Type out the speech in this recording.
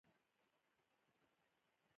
خوشاله اوسه او موسکا کوه .